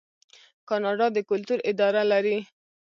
کاناډا د کلتور اداره لري.